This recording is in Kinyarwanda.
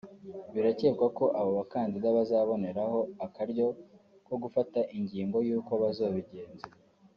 Birakekwa ko abo ba kandida bazoboneraho akaryo ko gufata ingingo y'uko bazobigenza